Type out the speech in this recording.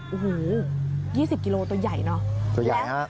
อูหู๒๐กิโลกรัมตัวใหญ่เนอะ